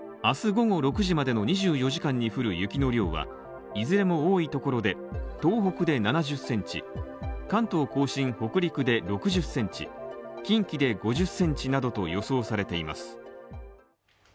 明日午後６時までの２４時間に降る雪の量はいずれも多いところで東北で７０ｃｍ、関東甲信・北陸で６０ｃｍ、近畿で５０ｃｍなどと予想されています。